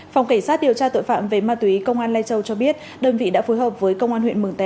phòng cảnh sát điều tra tội phạm về ma túy công an lai châu cho biết đơn vị đã phối hợp với công an huyện mường tè